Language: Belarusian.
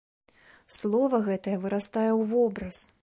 Слова гэтае вырастае ў вобраз.